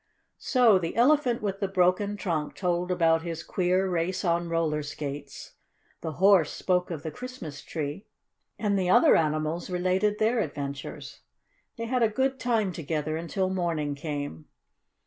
So the Elephant with the broken trunk told about his queer race on roller skates, the Horse spoke of the Christmas tree, and the other animals related their adventures. They had a good time together until morning came.